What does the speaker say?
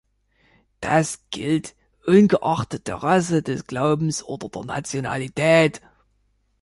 Das gilt ungeachtet der Rasse, des Glaubens oder der Nationalität.